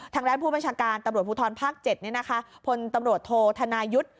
ทางด้านผู้บัญชาการตำรวจภูทรภาค๗พลตำรวจโทษธนายุทธ์